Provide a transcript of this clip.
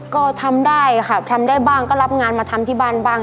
ก็ทำได้ค่ะทำได้บ้างก็รับงานมาทำที่บ้านบ้าง